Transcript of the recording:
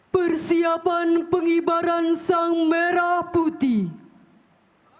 persiapan pengibaran sang merah putih